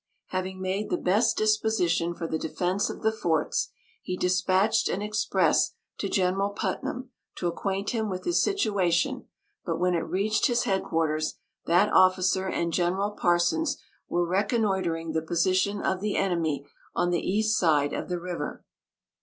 Having made the best disposition for the defence of the forts, he despatched an express to General Putnam to acquaint him with his situation; but when it reached his head quarters, that officer and General Parsons were reconnoitring the position of the enemy on the east side of the river.